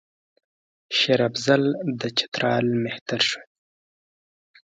شېر افضل د چترال مهتر شو.